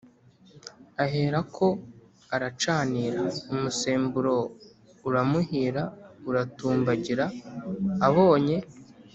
Ahera ko aracanira; umusemburo uramuhira uratumbagira, abonye